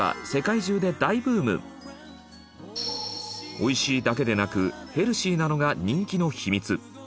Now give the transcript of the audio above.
美味しいだけでなくヘルシーなのが人気の秘密。